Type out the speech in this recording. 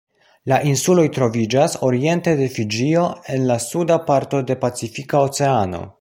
La insuloj troviĝas oriente de Fiĝio en la suda parto de Pacifika Oceano.